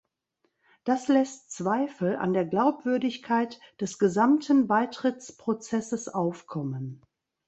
Das lässt Zweifel an der Glaubwürdigkeit des gesamten Beitrittsprozesses aufkommen.